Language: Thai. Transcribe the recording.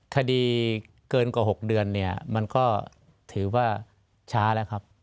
คดีเกินกว่า๖เดือนเนี่ยมันก็ถือว่าช้าแล้วครับ